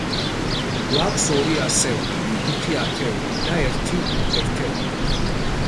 გვაქვს ორი ასეული, ხუთი ათეული და ერთი ერთეული.